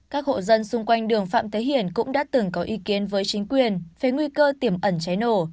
các hộ dân xung quanh đường phạm thế hiển cũng đã từng có ý kiến với chính quyền về nguy cơ tiềm ẩn cháy nổ